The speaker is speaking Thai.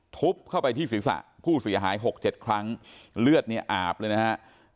ทุบเข้าไปที่ศีรษะผู้เสียหาย๖๗ครั้งเลือดเนี่ยอาบเลยนะฮะ